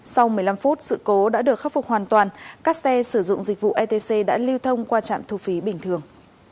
sau một mươi năm phút sự cố đã được khắc phục hoàn toàn các xe sử dụng dịch vụ etc đã lưu thông qua trạm thu phí bình thường